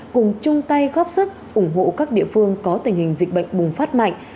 cùng chung tay góp sức ủng hộ các địa phương có tình hình dịch bệnh bùng phát mạnh